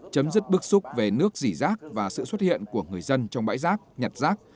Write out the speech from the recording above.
chấm dứt bức xúc về nước dỉ rác và sự xuất hiện của người dân trong bãi rác nhặt rác